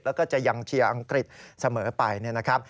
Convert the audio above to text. แล้วก็จะยังเชียร์อังกฤษเสมอไปนะครับ